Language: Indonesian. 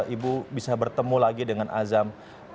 ibu bisa bertemu lagi dengan azam